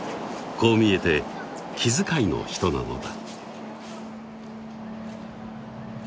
こう見えて気遣いの人なのだ